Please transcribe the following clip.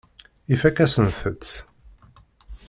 Ifakk-asent-t.